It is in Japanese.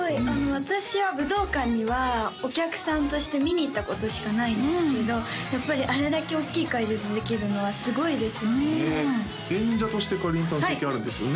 私は武道館にはお客さんとして見に行ったことしかないんですけどやっぱりあれだけおっきい会場でできるのはすごいですね演者としてかりんさん経験あるんですよね？